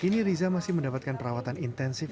kini riza masih mendapatkan perawatan intensif